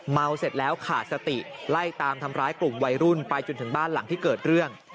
เสร็จแล้วขาดสติไล่ตามทำร้ายกลุ่มวัยรุ่นไปจนถึงบ้านหลังที่เกิดเรื่อง